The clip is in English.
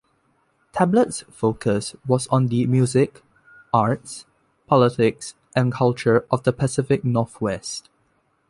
"Tablet's" focus was on the music, arts, politics and culture of the Pacific Northwest.